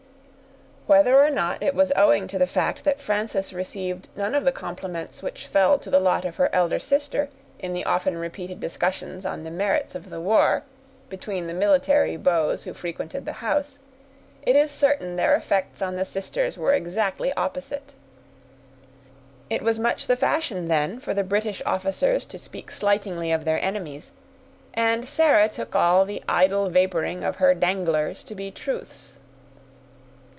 Whether or not it was owing to the fact that Frances received none of the compliments which fell to the lot of her elder sister, in the often repeated discussions on the merits of the war, between the military beaux who frequented the house, it is certain their effects on the sisters were exactly opposite. It was much the fashion then for the British officers to speak slightingly of their enemies; and Sarah took all the idle vaporing of her danglers to be truths.